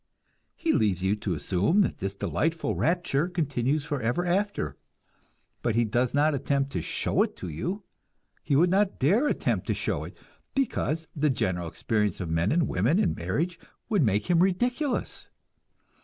He leaves you to assume that this delightful rapture continues forever after; but he does not attempt to show it to you he would not dare attempt to show it, because the general experience of men and women in marriage would make him ridiculous.